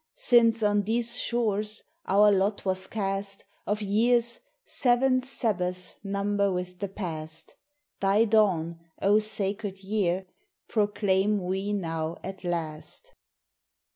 Since on these shores our lot was cast, Of years, seven Sabbaths number with the past; Thy dawn, O sacred year! proclaim we now at last.